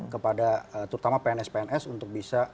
kepada terutama pns pns untuk bisa